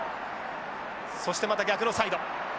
そしてまた逆のサイド。